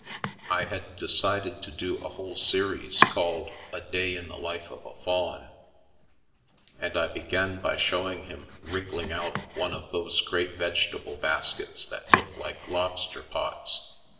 I had de cided to do a whole series called " A Day in the Life of a Faun," and I began by showing him wriggling out of one of those great vegetable baskets that look like lobster pots.